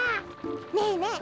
ねえねえ